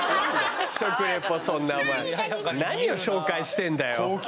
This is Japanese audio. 食リポそんなお前何を紹介してんだよ！